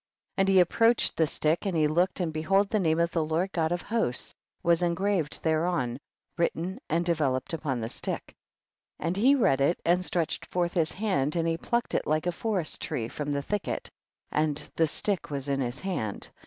And he approached the stick and he looked, and behold the name of the Lord God of hosts* was en graved thereon, written and develop ed upon the slick. 41. And he read it and stretched forth his hand and he plucked it like a forest tree from the thicket, and the stick was in his hand.